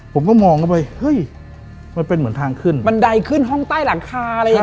ผมก็มองเข้าไปเฮ้ยมันเป็นเหมือนทางขึ้นบันไดขึ้นห้องใต้หลังคาอะไรอย่างเ